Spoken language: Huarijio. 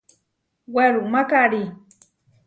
Werumá karí.